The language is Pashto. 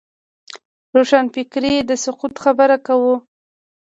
د روښانفکرۍ د سقوط خبره کوو.